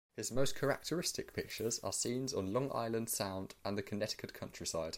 His most characteristic pictures are scenes on Long Island Sound and the Connecticut countryside.